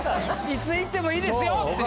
いつ行ってもいいですよって。